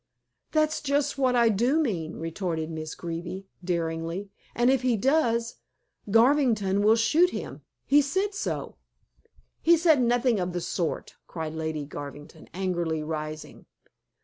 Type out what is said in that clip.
"That's just what I do mean," retorted Miss Greeby daringly, "and if he does, Garvington will shoot him. He said so." "He said nothing of the sort," cried Lady Garvington, angrily rising.